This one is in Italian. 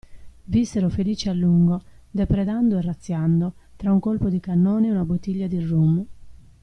Vissero felici a lungo, depredando e razziando, tra un colpo di cannone e una bottiglia di rum.